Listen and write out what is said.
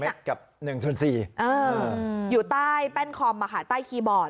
๑เม็ดกับ๑๔อยู่ใต้แป้นคอมมาค่ะใต้คีย์บอร์ด